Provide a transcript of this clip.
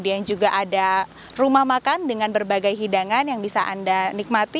juga ada rumah makan dengan berbagai hidangan yang bisa anda nikmati